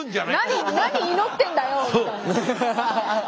何何祈ってんだよみたいな。